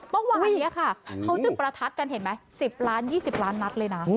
เมื่อวานนี้ค่ะเขาจุดประทัดกันเห็นไหม๑๐ล้าน๒๐ล้านนัดเลยนะ